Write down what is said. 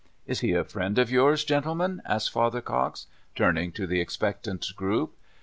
"Is he a friend of yours, gentlemen?" asked Father Cox, turning to the expectant group.